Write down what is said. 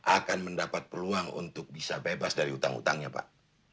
akan mendapat peluang untuk bisa bebas dari utang utangnya pak